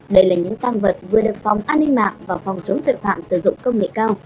đây là những tăng vật vừa được phòng an ninh mạng và phòng chống tội phạm sử dụng công nghệ cao